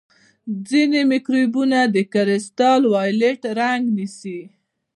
ځینې مکروبونه د کرسټل وایولېټ رنګ نیسي.